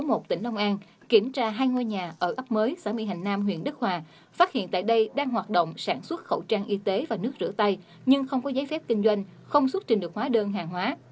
công an huyện phối hợp cùng đội quản lý thị trường số một tỉnh đông an kiểm tra hai ngôi nhà ở ấp mới xã mỹ hành nam huyện đức hòa phát hiện tại đây đang hoạt động sản xuất khẩu trang y tế và nước rửa tay nhưng không có giấy phép kinh doanh không xuất trình được hóa đơn hàng hóa